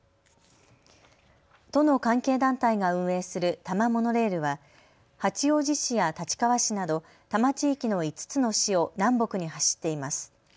都の関係団体が運営する多摩モノレールは八王子市や立川市など多摩地域の５つの市を南北に走っています。